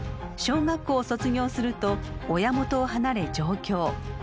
小学校を卒業すると親元を離れ上京。